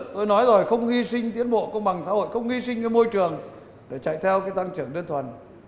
tôi nói rồi không nghi sinh tiến bộ công bằng xã hội không nghi sinh môi trường để chạy theo tăng trưởng đơn thuần